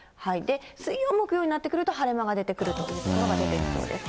水曜、木曜になってくると、晴れ間が出てくるという所が出てきそうです。